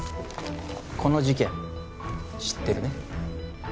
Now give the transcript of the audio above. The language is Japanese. この事件知ってるね？